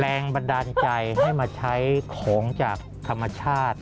แรงบันดาลใจให้มาใช้ของจากธรรมชาติ